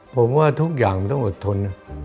ผมว่าทุกอย่างมันต้องอดทน